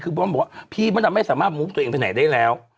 เพราะว่าพี่มันไม่สามารถมุมตัวเองไปไหนได้แล้ว